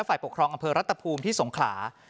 ฝ่ายปกครองอำเภอรัตภูมิที่สงขลา